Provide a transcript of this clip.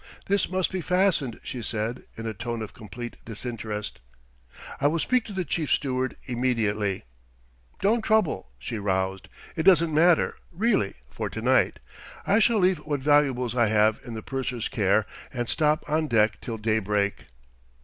"This must be fastened," she said, in a tone of complete disinterest. "I will speak to the chief steward immediately." "Don't trouble." She roused. "It doesn't matter, really, for to night. I shall leave what valuables I have in the purser's care and stop on deck till daybreak."